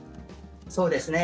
そうですね。